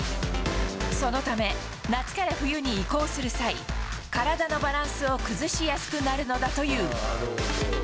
そのため、夏から冬に移行する際、体のバランスを崩しやすくなるのだという。